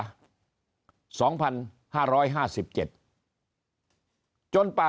จนปาร่วมสร้างสถานที่สวัสดิ์เมตรคาย